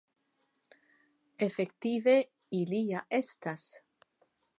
Efektive ili ja estas.